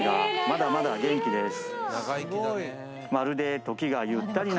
まだまだ元気です